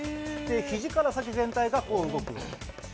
肘から先全体が動く。